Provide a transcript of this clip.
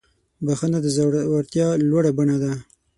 بخښنه د زړورتیا لوړه بڼه ده.